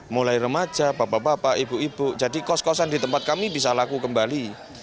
mulai remaja bapak bapak ibu ibu jadi kos kosan di tempat kami bisa laku kembali